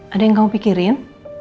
ada yang kamu pikirin